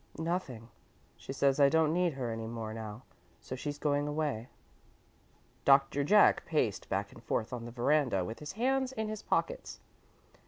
"Nothing. She says I don't need her any more now, so she's going away." Doctor Jack paced back and forth on the veranda with his hands in his pockets.